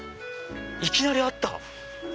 いきなりあった！